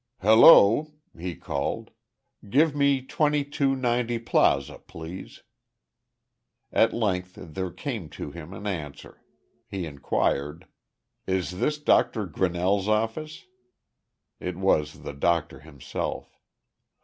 "Hello," he called, "Give me 2290 Plaza, please." At length there came to him an answer. He inquired: "Is this Dr. Grenelle's office?" It was the doctor himself.